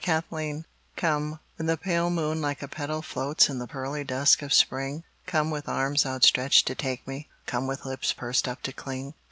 Come Come, when the pale moon like a petal Floats in the pearly dusk of spring, Come with arms outstretched to take me, Come with lips pursed up to cling.